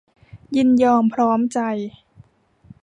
ยินยอมพร้อมใจ